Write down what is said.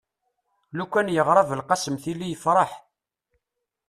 lukan yeɣra belqsem tili yefreḥ